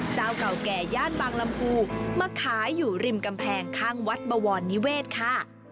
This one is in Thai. เจ้าเก่าแก่ย่านบางลำพูมาขายอยู่ริมกำแพงข้างวัดบวรนิเวศค่ะ